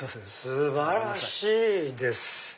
素晴らしいです！